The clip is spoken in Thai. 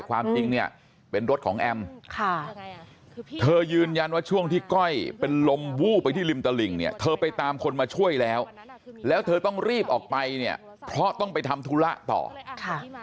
ความจริงเนี่ยเป็นรถของแอมค่ะเธอยืนยันว่าช่วงที่ก้อยเป็นลมวูบไปที่ริมตลิ่งเนี่ยเธอไปตามคนมาช่วยแล้วแล้วเธอต้องรีบออกไปเนี่ยเพราะต้องไปทำธุระต่อค่ะ